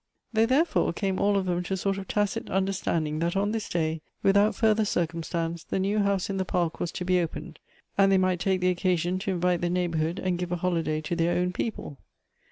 They, thei efoi e, came all of them to a sort of tacit un derstanding that on this day, without further circum stance, the new house in the park was to be opened, and they might take the occasion to invite the neighborhood and give a holiday to their own people.